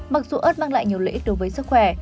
mặc dù ớt mang lại nhiều lợi ích đối với sức khỏe